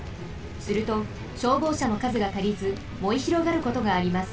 すると消防車のかずがたりずもえひろがることがあります。